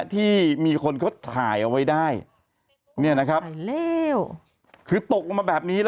ที่มีคนเขาถ่ายเอาไว้ได้เนี่ยนะครับคือตกลงมาแบบนี้แล้ว